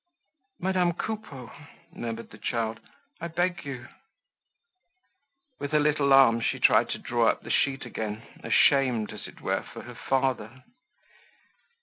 "Madame Coupeau," murmured the child, "I beg you—" With her little arms she tried to draw up the sheet again, ashamed as it were for her father.